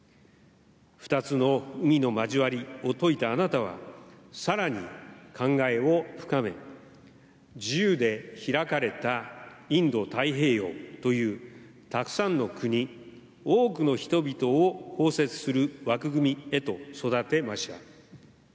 ２つの海の交わりを説いたあなたは更に考えを深め自由で開かれたインド太平洋というたくさんの国、多くの人々を包摂する枠組みへと育てました。